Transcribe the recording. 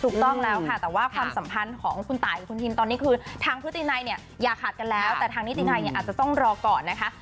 ถูกต้องแล้วค่ะแต่ว่าความสัมพันธ์ของคุณตายกับคุณยินตอนนี้คือทางพฤตินัยเนี่ยอย่าขาดกันแล้วแต่ทางนิตินัยเนี่ยอาจจะต้องรอก่อนนะคะ